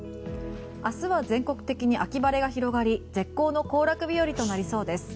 明日は全国的に秋晴れが広がり絶好の行楽日和となりそうです。